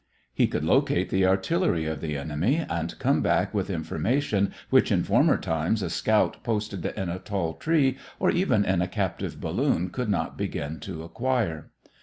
He could locate the artillery of the enemy and come back with information which in former times a scout posted in a tall tree or even in a captive balloon could not begin to acquire.